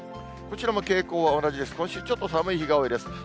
こちらも傾向は同じで、今週、ちょっと寒い日が多いです。